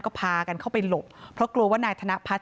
ก็พากันเข้าไปหลบเพราะกลัวว่านายธนพัฒน์